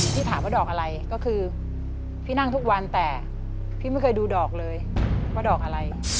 พี่ถามว่าดอกอะไรก็คือพี่นั่งทุกวันแต่พี่ไม่เคยดูดอกเลยว่าดอกอะไร